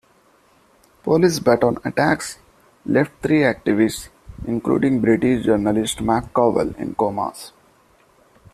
Police baton attacks left three activists, including British journalist Mark Covell, in comas.